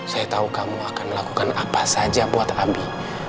saya tahu kamu akan melakukan apa saja buat kami